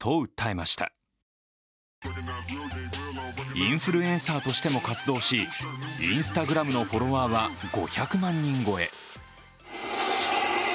インフルエンサーとしても活動しＩｎｓｔａｇｒａｍのフォロワーは５００万人超え。